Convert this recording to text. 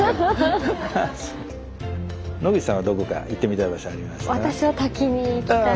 野口さんはどこか行ってみたい場所ありますか？